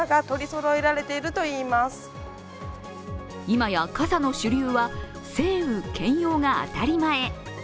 今や傘の主流は晴雨兼用が当たり前。